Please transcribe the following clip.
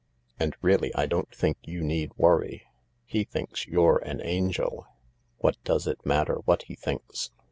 And really, I don't think you need worry. He thinks you're an angel." " What does it matter what he thinks